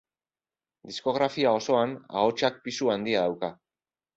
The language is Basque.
Diskografia osoan ahotsak pisu handia dauka.